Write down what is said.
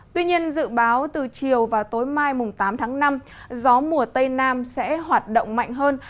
tuy nhiên dự báo từ chiều và tối mai tám tháng năm gió mùa tây nam sẽ hoạt động mạnh hơn